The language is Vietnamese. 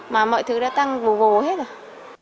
mà mọi thứ đã tăng vù vù hết rồi